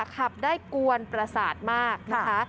ขับได้กวนปราศาสตร์มากนะคะ